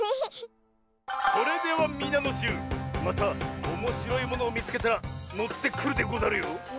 それではみなのしゅうまたおもしろいものをみつけたらもってくるでござるよ。